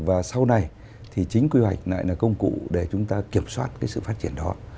và sau này thì chính quy hoạch lại là công cụ để chúng ta kiểm soát cái sự phát triển đó